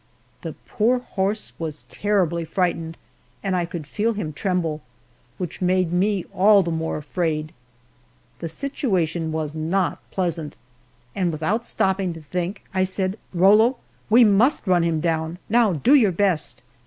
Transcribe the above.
The poor horse was terribly frightened, and I could feel him tremble, which made me all the more afraid. The situation was not pleasant, and without stopping to think, I said, "Rollo, we must run him down now do your best!"